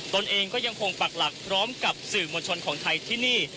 ตนเองก็ยังคงปักหลักพร้อมกับสื่อมวลชนของไทยที่นี่